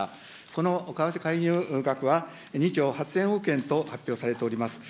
この為替介入額は２兆８０００億円と発表されております。